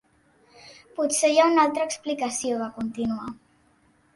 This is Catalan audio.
"Potser hi ha una altra explicació", va continuar.